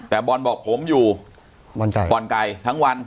แต่บอลบอกผมอยู่บ่อนไก่ทั้งวัน